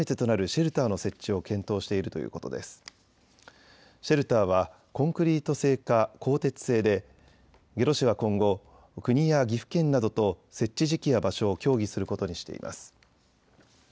シェルターはコンクリート製か鋼鉄製で下呂市は今後、国や岐阜県などと設置時期や場所を協議することにしています。